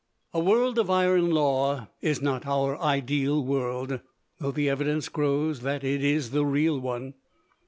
A world of iron law is not our ideal world, though the evidence grows that it is the real one.